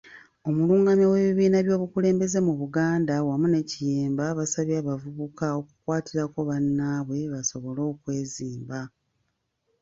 Omulungamya w'ebibiina by'obukulembeze mu Buganda, wamu ne Kiyemba, basabye abavubuka okukwatirako bannaabwe basobole okwezimba.